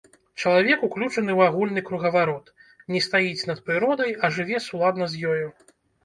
Чалавек уключаны ў агульны кругаварот, не стаіць над прыродай, а жыве суладна з ёю.